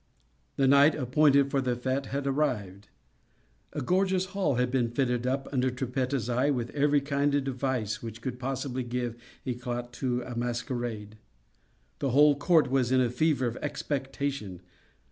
The night appointed for the fete had arrived. A gorgeous hall had been fitted up, under Trippetta's eye, with every kind of device which could possibly give eclat to a masquerade. The whole court was in a fever of expectation.